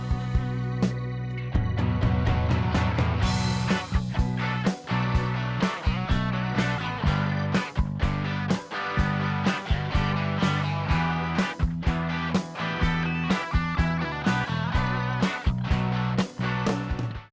โปรดติดตามตอนต่อไป